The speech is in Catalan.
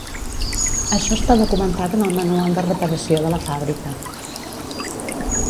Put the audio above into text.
Això està documentat en el manual de reparació de la fàbrica.